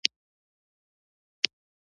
هغه له مور او پلار څخه یو جلا کس دی.